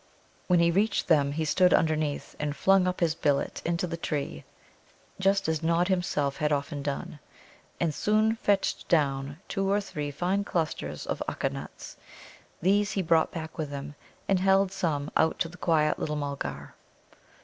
When he reached them, he stood underneath, and flung up his billet into the tree, just as Nod himself had often done, and soon fetched down two or three fine clusters of Ukka nuts. These he brought back with him, and held some out to the quiet little Mulgar.